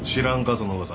その噂。